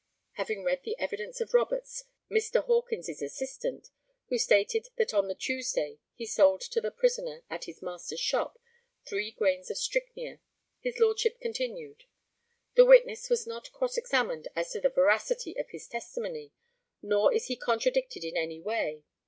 [Having read the evidence of Roberts, Mr. Hawkins's assistant, who stated that on the Tuesday he sold to the prisoner, at his master's shop, three grains of strychnia, his Lordship continued ], This witness was not cross examined as to the veracity of his testimony, nor is he contradicted in any way.